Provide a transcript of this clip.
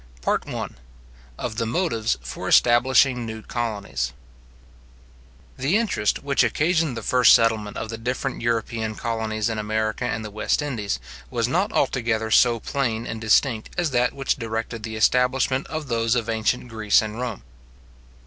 PART I. Of the Motives for Establishing New Colonies. The interest which occasioned the first settlement of the different European colonies in America and the West Indies, was not altogether so plain and distinct as that which directed the establishment of those of ancient Greece and Rome.